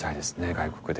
外国で。